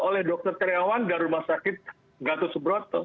oleh dr terawan dari rumah sakit gatot soebroto